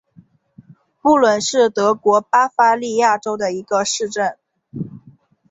布伦是德国巴伐利亚州的一个市镇。